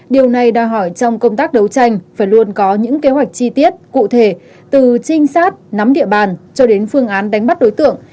điều này đòi hỏi trong công tác đấu tranh phải luôn có những kế hoạch chi tiết cụ thể từ trinh sát nắm địa bàn cho đến phương án đánh bắt đối tượng